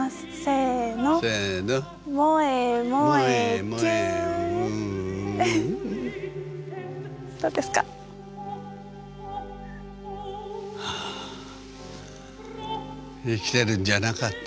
生きてるんじゃなかった。